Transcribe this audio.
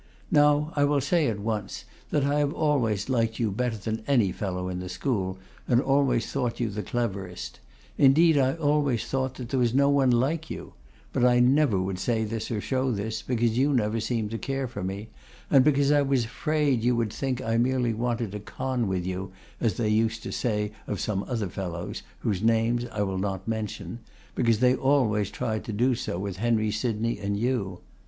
Now, I will say at once, that I have always liked you better than any fellow in the school, and always thought you the cleverest; indeed, I always thought that there was no one like you; but I never would say this or show this, because you never seemed to care for me, and because I was afraid you would think I merely wanted to con with you, as they used to say of some other fellows, whose names I will not mention, because they always tried to do so with Henry Sydney and you.